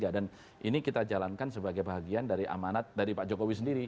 dan ini kita jalankan sebagai bahagian dari amanat dari pak jokowi sendiri